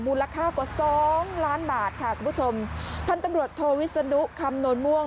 มูลค่ากว่า๒ล้านบาทค่ะคุณผู้ชมท่านตำรวจโทวิสสะนุคำนภล์ม่วง